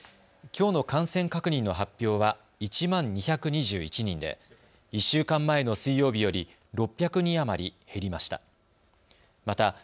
きょうの感染確認の発表は１万２２１人で１週間前の水曜日より６００人余り減りました。